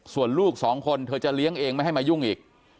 ส่วนลูกสองคนเธอจะเลี้ยงเองไม่ให้มายุ่งอีก